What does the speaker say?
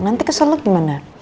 nanti kesel lu gimana